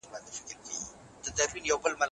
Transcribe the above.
آیا بخښنه تر غچ اخیستلو لویه ده؟